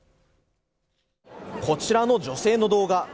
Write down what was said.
こちらの女性の動画。